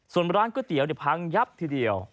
ส่วนร้านก๋วยเตี๋ยวพังยับทีเดียว